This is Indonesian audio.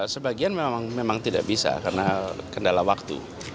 sebagian memang tidak bisa karena kendala waktu